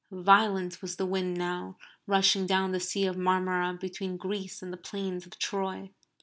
Violent was the wind now rushing down the Sea of Marmara between Greece and the plains of Troy.